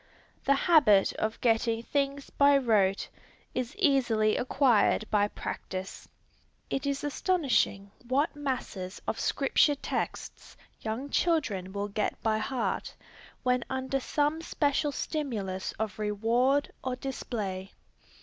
The habit of getting things by rote, is easily acquired by practice. It is astonishing what masses of Scripture texts young children will get by heart, when under some special stimulus of reward or display.